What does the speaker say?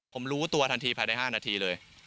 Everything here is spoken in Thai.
ผมรู้ตัวทันทีภายใน๕นาทีเลย